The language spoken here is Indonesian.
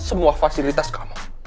semua fasilitas kamu